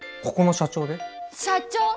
社長！？